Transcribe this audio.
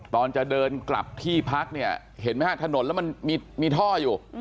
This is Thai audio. ตอนจะเดินกลับที่พักเนี่ยเห็นไหมฮะถนนแล้วมันมีท่ออยู่